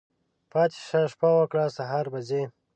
پاتی شه، شپه وکړه ، سهار به ځی.